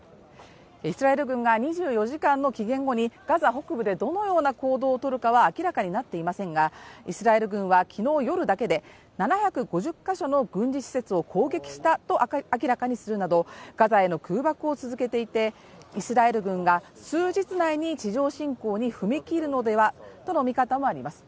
イスラエル軍が２４時間の期限後にガザ北部でどのような行動をとるかは明らかになっていませんがイスラエル軍は昨日夜だけで７５０か所の軍事施設を攻撃したと明らかにするなどガザへの空爆を続けていてイスラエル軍が数日内に地上侵攻に踏み切るのではとの見方もあります。